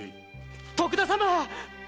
徳田様っ！